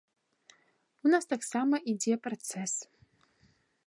У нас таксама ідзе працэс.